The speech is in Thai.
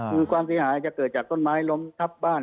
คือความเสียหายจะเกิดจากต้นไม้ล้มทับบ้าน